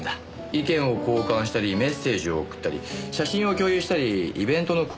意見を交換したりメッセージを送ったり写真を共有したりイベントの告知をしたり。